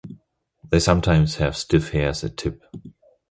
They sometimes have stiff hairs at tip.